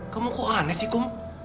kamu kok aneh sih kamu